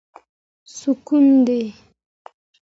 سکون دی.